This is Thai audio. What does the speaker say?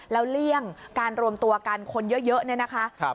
แล้วเลี่ยงการรวมตัวกันคนเยอะเนี่ยนะคะ